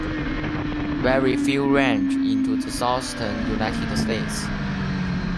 Very few range into the southern United States.